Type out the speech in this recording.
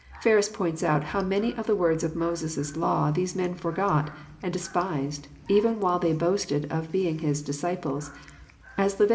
Ferns points out how many of the words of Moses* law these men forgot and despised, even while they boasted of being his ''disciples; " as Levit.